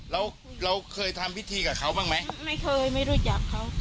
แล้วเราเคยทำพิธีกับเขาบ้างไหมไม่เคยไม่รู้จักเขา